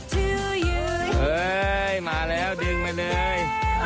เฮ้ยมาแล้วดึงมาเลย